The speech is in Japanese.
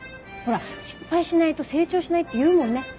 ほら失敗しないと成長しないっていうもんね。